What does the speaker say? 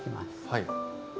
はい。